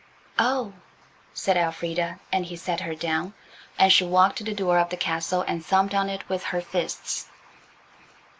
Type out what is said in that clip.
"Oh!" said Elfrida, and he set her down, and she walked to the door of the castle and thumped on it with her fists.